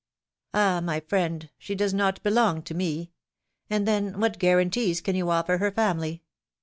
^^Ah, my friend, she does not belong to me ! And, then, what guarantees can you offer her family?